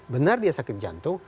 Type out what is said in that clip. benar dia sakit jantung